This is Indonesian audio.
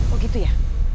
oh gitu ya